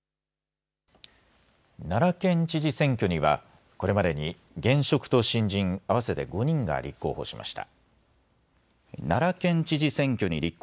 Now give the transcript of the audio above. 奈良県知事選挙にはこれまでに現職と新人合わせて５人が立候補しました。